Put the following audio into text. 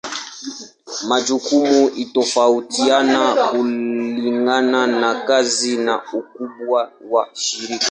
Majukumu hutofautiana kulingana na kazi na ukubwa wa shirika.